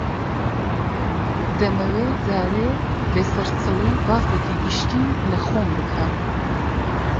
دەمەوێ جارێ بە سەرچڵی باسێکی گشتی لە خۆم بکەم